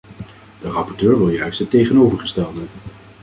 De rapporteur wil juist het tegenovergestelde.